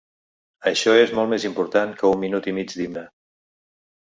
Això és molt més important que un minut i mig d’himne.